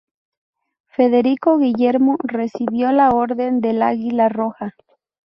Federico Guillermo recibió la Orden del Águila Roja.